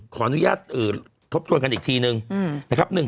ขออนุญาตทบทวนกันอีกทีหนึ่ง